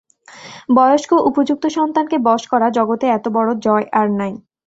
বয়স্ক উপযুক্ত সন্তানকে বশ করা, জগতে এতবড় জয় আর নাই।